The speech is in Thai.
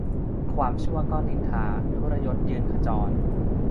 ความชั่วก็นินทา ทุรยศยืนขจร